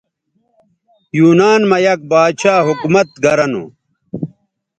یونان مہ یک باچھا حکومت گرہ نو